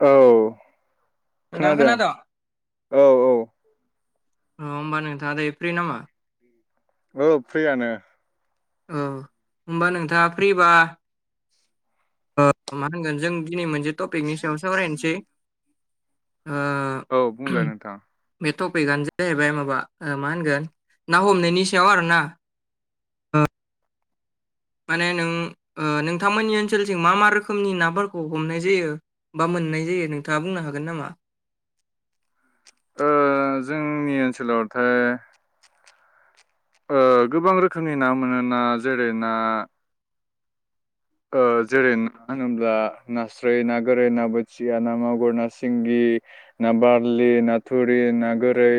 औ नोंथाङा खोनादों खोनादोंं? औ अ होमबा नोंथाङा द फ्रि नामा औ फ्रियानो ओ होमबा नोंथाङा फ्रिबा ओ मा होनगोन जों दिनै मोनसे टपिकनि सायाव सावरायनोसै ओ औ बुंलाय नोंथां बे टपिकआनो जाहैबाय माबा ओ मा होनगोन ना हमनायनि सायाव आरो ना? ह [unintelligible] माने नों ओ नोंथांमोननि ओनसोलथिं मा मा रोखोमनि नाफोरखौ हमनाय जायो? बा मोननाय जायो नोंथाङा बुंनो हागोन नामा? ओ जोंनि ओनसोलावथाय ओ गोबां रोखोमनि ना मोनोना जेरै ना ओ जेरै मा होनोब्ला नास्राय ना गोरै ना बोथिया ना मागुर ना सिंगि । ना बारलि ना थुरि ना गोरै।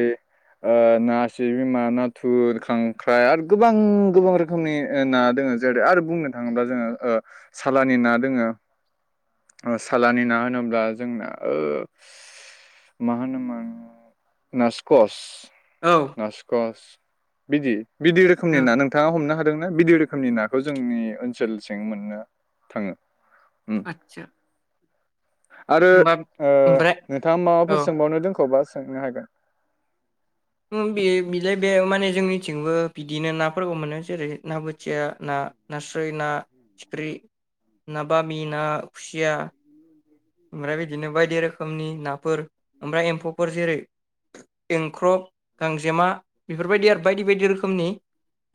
ओ नासि बिमा नाथुर खांख्राइ आरो गोबां गोबां रोखोम रखनि ना दङो जेरै आरो बुंनो थाङोब्ला जोङो सालाननि ना दोङ सालानि ना होनोब्ला जोंना ओ मा होनोमोन नासकस औ नासकस बिदि बिदि रोखोमनि ना नोंथाङा हमनो हादोंना बिदि रोखोमनि ना बे खौ जोंनि ओनसोलसिं मोननो थाङो उम आतसा आरो ओ ओमफ्राय नोंथाङा औ माबाफोर सोंबावनो दोनखबा सोंनो हागोन ओम बे बिलाय बे माने जोंनिथिंबो बिदिनो नाफोरखौ मोनो जेरै ना बोथिया ना नास्राय ना फिथिख्रि ना बामि ना खुसिया ओमफ्राय बिदिनो बायदि रोखोमनि नाफोर ओमफ्राय एम्फौफोर जेरै एंख्रब गांजेमा बेफोरबायदि आरो बायदि बायदि रोखोमनि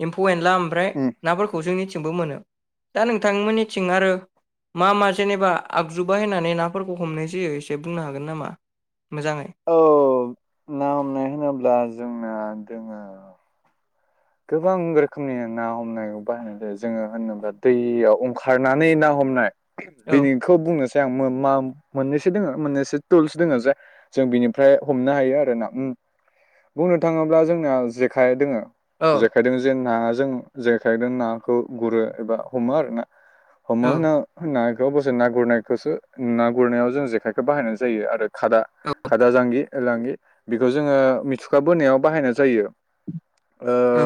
एम्फौ एनला ओमफ्राय उम नाफोरखौ जोंनिथिमबो मोनो दा नोंथांमोननिथिं आरो मा मा जेनेबा आगजु बाहायनानै माने नाफोरखौ हमनोसै एसे बुंनो हागोन नामा मोजाङै? औ ना हमनाय होनोब्ला जोंना दोङो गोबां रोखोमनि ना हमनाय बाहायनाय जायो जोङो होनोबोब्ला दैयाव ओंखारनानै ना हमनाय। औ बेनिखौ बुंनोसै आं मा मोननैसो दोङो मोननैसो टुल्स दोङ जे जों बिनिफ्राय हमनो हायो आरो ना बुंनो थाङोब्ला जोंना जेखाइ दोङो। औ जेखायदों जे नाजों जेखायदों नाखौ गुरो एबा हमो आरो ना। औ हमो होनो होन्ना बेयाव दसे ना गुरनायखौसो ना गुरनायाव जों जेखायखौ बाहायनाय जायो आरो खादा खादा जांगि। लांगि बेखौ जोङो मिथुखा बोनायाव बाहायनाय जायो। ओ औ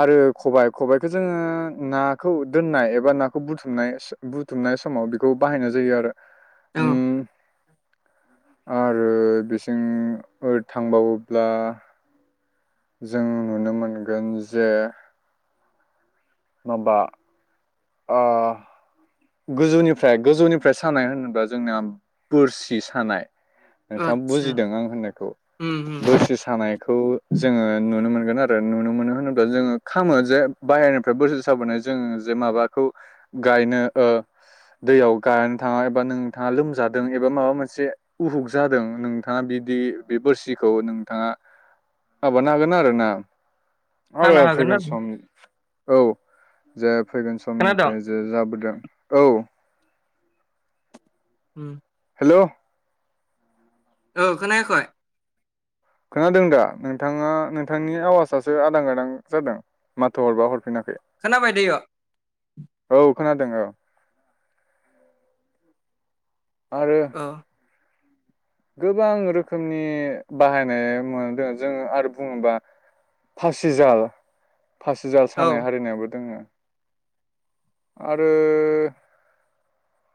आरो खबायाइ खबाइखौ जोङो नाखौ दोननाय एबा नाखौ बुथुमनाय बुथुमनाय समाव बेखौ बाहायनाय जायो आरो औ ओम। आरो बिसिं थांबावोब्ला जों नुनो मोनगोन जे माबा ओ गोजौनिफ्राय गोजौनिफ्राय सानाय होनोबा जोंनिया बोरसि सानाय। नोंथाङा आतसा बुजिदों आं होननायखौ उम उम बोरसि थानायखौ जोङो नुनो मोनगोन आरो नुनो मोनो होनोब्ला जोङो खालामो जे बाहेर फ्राय बोसोर साबोनाय जों जे माबाखौ गायनो ओ दैयाव गायनो थाङा एबा नोंथाङा लोमजादों एबा माबा मोनसे उहुक जादों नोंथाङा बिदि बे बोरसिखौ नोंथाङा माबानो हागोन आरोना आरो हानो हागोन फैगोन आरो समनि। औ जे फैगोन खोनादों? समनिफ्राय जे जाबोदों औ। उम हेलौ। औ खोनायाखोय खोनादों दा नोंथाङा नोंथांनि आवाजासो आदां गादां जादों। माथो हरबा हरफिनाखै। खोनाबाय दैय औ खोनादों औ। आरो [unintelligible] गोबां रोखोमनि बाहायनाय मोनदों जोङ आरो बुङोबा फासि हजाल फासिजाल औ सानाय हारिनायाबो दोङो, आरो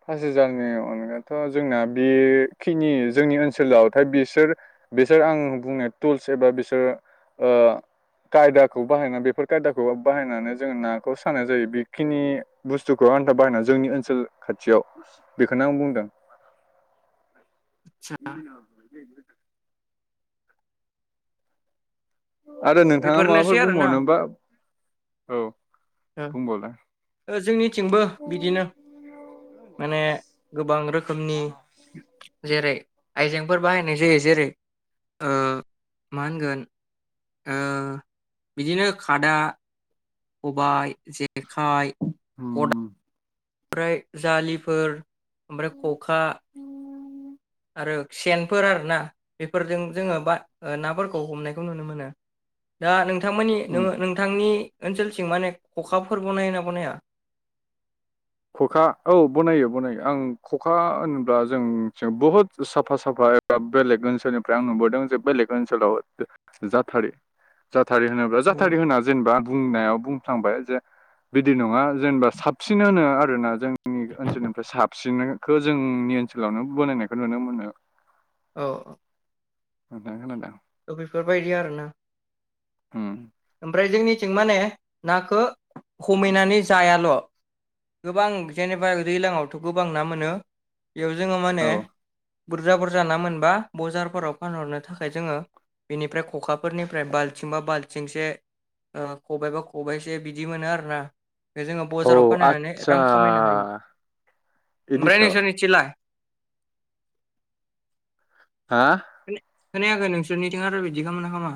पास हाजारनि अनगाथ' जोंना बेखिनि जोंनि ओनसोलावथाय बिसोर बिसोर आं बुंनो टुल्स एबा बिसोर ओ खायदाखौ बाहायना बेफोर खायदाखौ बाहायनानै जोङो नाखौ सानाय जायो बेखिनि बुस्थुखौ आन्था बाहायना जोंनि ओनसोल खाथियाव बेखौनो आं बुंदों। आसा आरो नोंथाङा बेफोरनोसै माबाफोर आरोना बुंबावनोबा। औ बुंबावलाय जोंनिथिंबो बिदिनो। माने गोबां रोखोमनि जेरै आयजेंफोर बाहायनाय जायो जेरै। मा होनगोन बिदिनो खादा खबाइ जेखाइ। ओम ओमफ्राय जाालिफोर ओमफ्राय खखा आरो सेनफोर आरोना बेफोरजों जोङो बा नाफोरखौ हमनायखौ नुनो मोनो। दा नोंथांमोननि उम नोङो नोंथांनि ओनसोलथि माने खखाफोरबो बनायो ना बनाया? खखा औ बनायो बनायो आं खखा होन्ला जों बहुत साफा साफा बेलेग ओनसोलनिफ्राय आं नुबोदों जे बेलेग ओनसोलाव जाथारि- जाथारि होनोब औ जाथारि होना जेनेबा बुंनायाव बुंफ्लांबाय जे बिदि नङा जेनेबा साबसिन होनो आरोना जोंनि ओनसोलनिफ्राय साबसिनखौ जोंनि ओनसोलावनो बोननायखौ नुनो मोनो। औ -औ। आ आं दा थ बेफोरबायदि आरो ना। ओ। ओमफ्राय जोंनिथिं माने नाखौ हमायनानै जायाल'। गोबां जेनेबा दैज्लांआवथ' गोबां ना मोनो बेयाव जोङो माने औ बुरजा -बुरजा ना मोनबा बजारफोराव फानहरनो थाखाय जोङो बेनिफ्राय ख'खाफोरनिफ्राय बाल्थिं बा बालथि थिंसे ओ खबायाइबा खबाइसे बिदि मोनो आरोना। जोङो औ बाजाराव फाननानै आदसा रां खामायनो हायो इदिस' ओमफ्राय नोंसोरनिथिं लाय? हा? खोन खोनायाखोन नोंसोरनिथिं आरो' बिदि खालामो ना खालामा?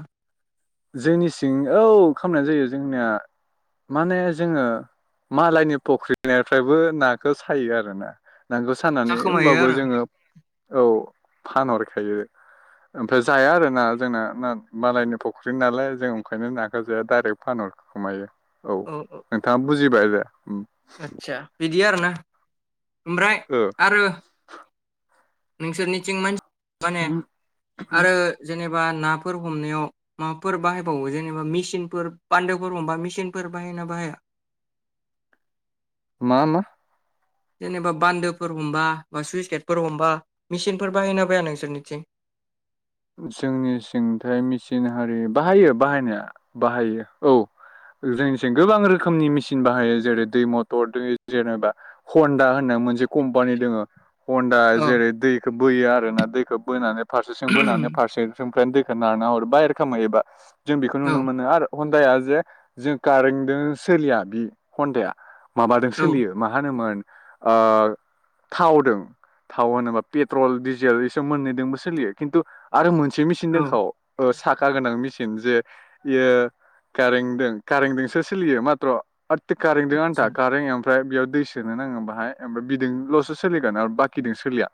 जोंनि सिं औ खालामनाय जायो जोंनिया। माने जोङो मालायनि फख्रिनिफ्रायबो नाखौ सायो आरोना। नांगोल सानानै जाखोमायो होनबाबो आरो जोङो औ फानहरखायो। ओमफ्राय जाया आरोना जोंना ना मालायनि फ फख्रि नालाय जों ओंखायनो नाखौ जाया दडाइरेक्ट फानहर खोमायो औ। औ -औ‌। नोंथाङा बुजिबाय दे। आतसा बिदि आरो ना, ओमफ्राय ओ। आरो नोंसोरनिथिं मानसि माने आरो जेनेबा नाफोर हमनायाव माबाफोर बाहायबावो जेनेबा मेसिनफोर बान्दोफोर हमबा मेचिनफोर बाहायोना बाहाया? मा मा? जेनेबा बान्दोफोर हमबा बा सुइस गाइटफोर हमबा मेसिनफोर बाहायोना बाहाया नोंसोरनिथिं जोंनि सिंथाय मेसिन हारि बाहायो बाहायनाया बाहायो औ जोंनिथि गोबां रोखोमनि मेसिन बाहायो जेरै दै मथर दै जेनेबा हनदा होनो मोनसे कम्पानि दङो हन्दा औ जेरै दैखौ बोयो आरोना दैखौ बोनानै फारसेथिं बोनानै फारसे थिंफ्रायानो दैखौ नारना हरबाय ए रोखोमै एबा जों बेखौ औ नुनो मोनो आरो हन्दाया जे जों कारेन्टजों सोलिया बि हन्दाया माबाजों औ सोलियो मा होनोमोन ओ थावदों थाव होनोबा पेट्रल डिजेल इस मोन्नैदोंबो सोलियो खिन्थु आरो मोनसे मेचिन औ दंखाव साखा गोनां मेचिन जे बियो कारेंजों कारेंजोंसो सोलियो माथ्र' आथ कारेंदों आदसा आथा कारें ओमफ्राय बेयाव दै सोनो नाङो बाहाय ओमफ्राय बिजोंल'सो सोलिगोन आरो बाखिजों सोलिया।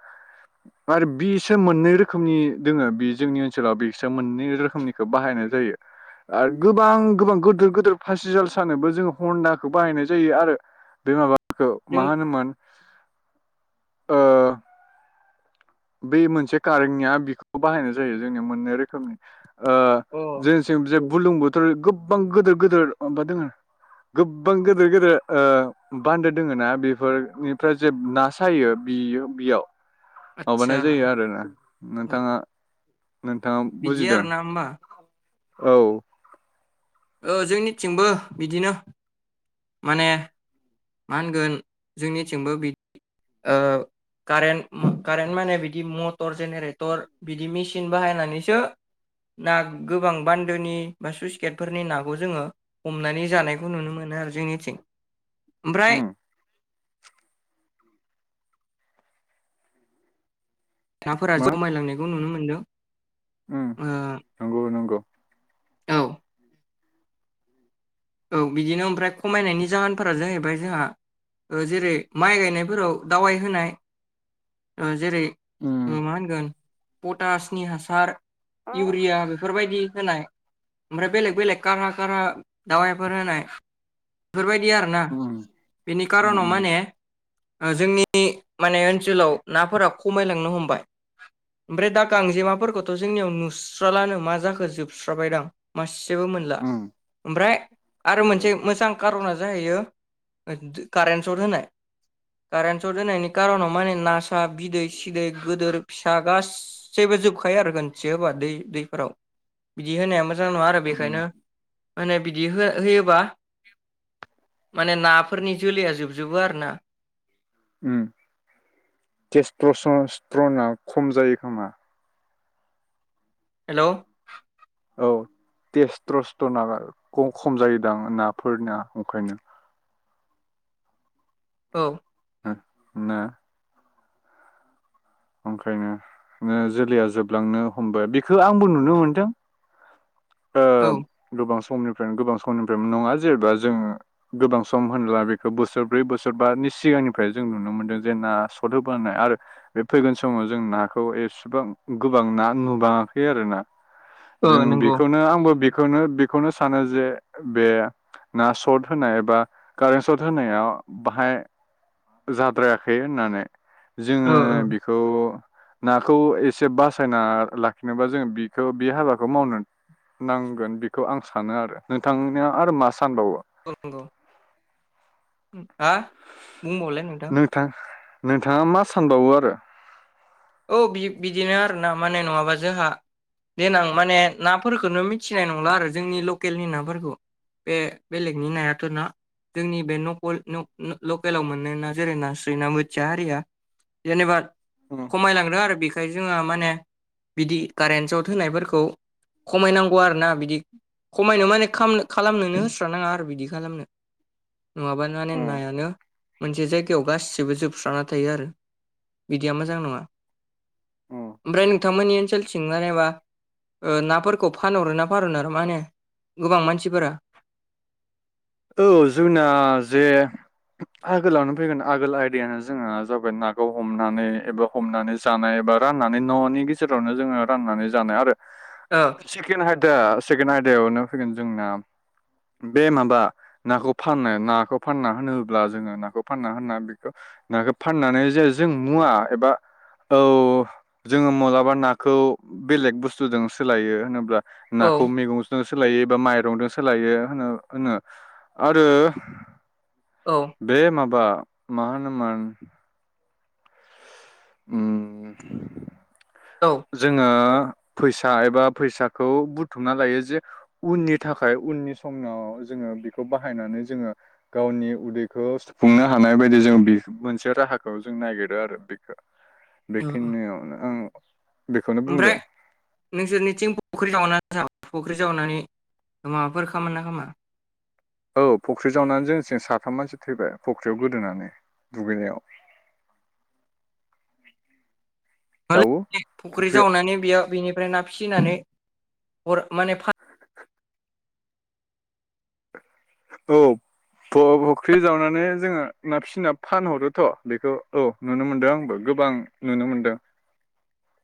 आरो बिसो मोननै रो रोखोमनि दोङो बे जोंनि ओनसोलाव बिसोर मोननै रोखोमनिखौ बाहायनाय जायो। आरो गोबां -गोबां गिदिर- गिदिर फासि जाल सानोबो जोङो हन्दाखौ बाहायनाय जायो आरो बे माबाखौ जों मा होनोमोन? ओ बे मोनसे कारेन्टनिया बिखौ बाहायनाय जायो जोंनि मोननै रोखोमनि, ओ अ जों थिं जे बुरलुं बोथोर गोबां गिदिर- गिदिर माबा दङ आरो। गोबां गेदेर गेदेर बान्दो दोङो ना बेफोरनिफ्राय जे ना सायो बियो बियाव आदसा माबानाय जायो आरोना औ नोंथाङा नोंथाङा बिदि बुजिदों आरोना होमबा औ ओ जोंनिथिंबो बिदिनो माने मा होनगोन जोंनिथिंबो बिद ओ कारेन्ट कारेन्ट माने बिदि मटर जेनेरेटर बिदि मिसिन बाहायनानैसो ना गोबां बान्दोनि बा स्लुइस गेटफोरनि नाखौ जोङो । हमनानै जानायखौ नुनो मोनो आरो जोंनिथिं ओमफ्राय उम थाफोरा मा जमाय लांनायखौ नुनो मोनदों उम ओ नंगौ नंगौ औ औ बिदिनो ओमफ्राय खमायनायनि जाहोनफोरा जाहैबाय जोंहा ओ जेरै माइ गायनायफोराव दावाइ होनाय ओ जेरै ओ उम मा होनगोन पटासनि हासार इउरिया बेफोरबायदि । होनाय ओमफ्राय बेलेग बेलेग कारा कारा दावायफोर होनाय । बेफोरबायदि आरोना उम बेनि उम कार'नाव माने ओ जोंनि माने ओनसोलाव नाफोरा खमायलांनो हमबाय । ओमफ्राय दा गांजेमाफोरखौथ' जोंनियाव नुस्राल्लानो मा जाखो जोबस्राबायदां । मासेबो मोनला उम । ओमफ्राय आरो मोनसे उम मोजां कार'ना जाहैयो कारेन सट होनाय । कारेन्ट सट होनायनि कार'नाव माने नासा बिदै सिदै गिदोर फिसा गास जेबो जोबखाया आरो गोनथि होबा दै दैफोराव बिदि होनाया मोजां नङा आरो उम बेखायनो माने बिदि हो-होयोबा माने नाफोरनि जोलैया जोबजोबो आरो ना उम [unintelligible] खम जायो खोमा हेलौ औ टेस्थ्रस्थ्र' नागार खम जायोदां नाफोरनिया ओंखायनो औ ना ओंखायनो नो जोलैया जोबलांनो हमबाय बेखौ आंबो नुनो मोनदों । ओ गोबां समनिफ्रायनो गोबां समनिफ्रायनो नङा जेनेबा जोंङो गोबां सम होनब्ला बेखौ बोसोरब्रै बोसोरबानि सिगांनिफ्राय जों नुनो मोनदों जे ना सद होबोनाय आरो बे फैगोन समाव जों नाखौ एसेबां गोबां ना नुुबाङाखै आरो ना औ जों नंगौ बेखौनो आंबो बेखौनो बेखौनो सानो जे बे ना शर्ट होनाय एबा कारेन्ट सर्ट होनायाव बाहाय जाद्रायाखै होननानै औ जोंङो औ बेखौ नाखौ एसे बासायना लाखिनोबा जोङो बेखौ बे हाबाखौ मावनो नांगोन बेखौ आं सानो आरो नोंथांनिया आरो मा सानबावो । [unintelligible] हा बुंबावलाय नों नोंथां नोंथाङा मा सानबावो आरो औ बियो बिदिनो आरोना माने नङाबा जोंहा देनां माने नाफोरखौनो मिथिनाय नंला आरो जोंनि लकेलनि नाफोरखौ । बे बेलेगनि नायाथ' ना । जोंनि बे नकल‌ लकेलाव मोनोना जेरै नास्रि ना बोथिया हारिया । जेनबा उम खमायलांदों आरो बेखायनो जोङो माने बिदि कारेन्ट सर्ट होनायफोरखौ खमायनांगौ आरोना बिदि खमायनो माने खायनो खालामनो खालामनोनो होस्रा नाङा आरो बिदि खालामनो । नङाबानो माने उम नायानो मोनसे जायगायाव गासिबो जोबस्रां थायो आरो बिदिया मोजां नङा । उम ओमफ्राय नोंथांमोननि ओनसोलथिं नाय बा ओ नाफोरखौ फानहरो ना [unintelligible] मा होनो गोबां मानसिफोरा औ जोंना जे आगोलावनो फैगोन आगोल आयदिायानो जोंना जाबाय नाखौ हमनानै एबा हमनानै जानाय एबा राननानै न'नि गेजेरावनो जोङो राननानै जानाय आरो ओ सेकेण्ड आयदा सेकेण्ड आयदायावनो फैगोन जोंना बे माबा नाखौ फाननो नाखौ फानना होनोब्ला जोङो नाखौ फानना होनना बेखौ नाखौ फाननानै जे जों मुवा एबा औ जोङो मा्लाबा नाखौ बेलेग बुस्थुजों सोलायो होनोब्ला औ नाखौ मैगंजों सोलायो बा माइरंजों सोलायो होनो होनो आरो औ बे माबा मा होनोमोन उम औ जोङो फैसा एबा फैसाखौ बुथुमना लायो जे उननि थाखाय उननि समनाव जोंङो बेखौ बाहायनानै जोंङो गावनि उदैखौ सुफुंनो हानाय बायदि जों मोनसे राहाखौ जों ननायागिरो आरो औ बेखिनियावनो आं बेखौनो ओमफ्राय बुंदों नोंसोरनिथिं फख्रि जावनानै फख्रि जावनानै माबाफोर खामो ना खामा औ फख्रि जावनानै जोंं साथाम मानसि थैबाय फख्रियाव गोदोनानै दुगैनायाव जावो फुख्रि जावनानै बेयाव बेनिफ्राय ना फिसिनानै हर माने फा औ फुख्रि जावनानै जोङो ना फिसिना फानहरोथ' बेखौ औ नुनो मोनदों आंबो गोबां नुनो मोनदों